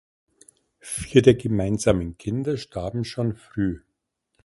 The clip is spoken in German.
Vier der gemeinsamen Kinder starben schon früh.